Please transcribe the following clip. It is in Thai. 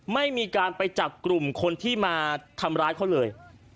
ไม่มีการไปจับกลุ่มคนที่มาทำร้ายเขาเลย